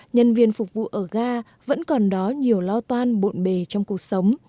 nhân viên phục vụ ở ga vẫn còn đó nhiều lo toan bộn bề trong cuộc sống